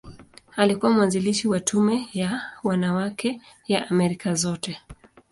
Alikuwa mwanzilishi wa Tume ya Wanawake ya Amerika Zote.